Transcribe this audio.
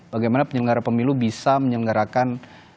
bagaimana penyelenggara pemilu bisa menyelenggarakan